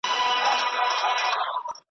پر هر پانوس چي بوراګانو وو مقام نیولی .